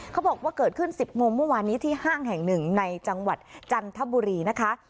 เขาบอกว่าเกิดขึ้น๑๐โมงเมื่อวานนี้ที่ห้างแห่งหนึ่งในจังหวัดจันทบุรีนะคะ